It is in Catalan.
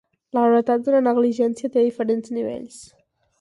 La gravetat d'una negligència té diferents nivells.